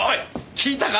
聞いたか？